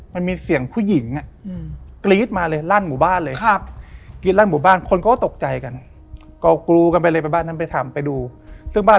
มันมีเสียงผู้หญิงอะ